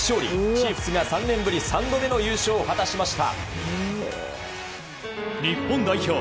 チーフスが３年ぶり３度目の優勝を果たしました。